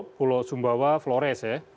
itu pulau sumbawa flores